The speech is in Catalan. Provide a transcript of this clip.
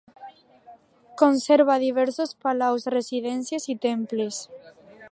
Conserva diversos palaus, residències i temples.